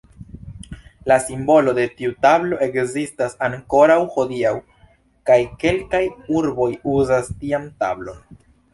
La simbolo de tiu tablo ekzistas ankoraŭ hodiaŭ kaj kelkaj urboj uzas tian tablon.